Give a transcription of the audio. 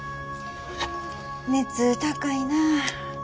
熱高いな。